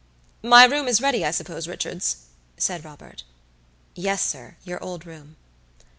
"My room is ready, I suppose, Richards?" said Robert. "Yes, siryour old room."